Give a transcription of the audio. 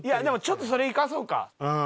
でもちょっとそれ生かそうか。